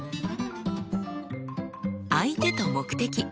相手と目的。